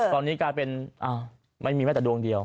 ตอนนี้กลายเป็นไม่มีแม้แต่ดวงเดียว